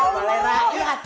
pak aku pegangan pak aku biasa